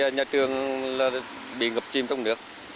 nhà trường bị ngập chim trong nước